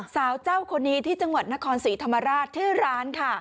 สาวเจ้าคนนี้ที่จังหวัดนครศรีธรรมราชที่ร้านค่ะ